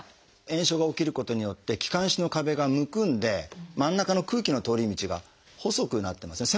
炎症が起きることによって気管支の壁がむくんで真ん中の空気の通り道が細くなってますね。